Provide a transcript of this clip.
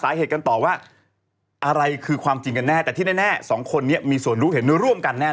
โยนกันไปโยนกันมา